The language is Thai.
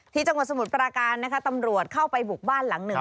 จังหวัดสมุทรปราการนะคะตำรวจเข้าไปบุกบ้านหลังหนึ่ง